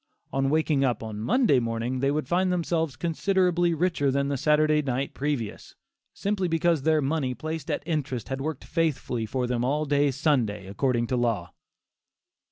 On waking up on Monday morning, they would find themselves considerably richer than the Saturday night previous, simply because their money placed at interest had worked faithfully for them all day Sunday, according to law!